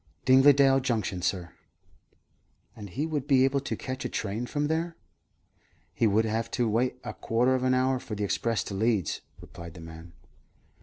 "Dingledale Junction, sir." "And he would be able to catch a train from there?" "He would have to wait a quarter of an hour for the express to Leeds," replied the man.